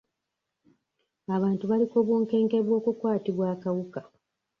Abantu bali ku bunkenke bw'okukwatibwa akawuka.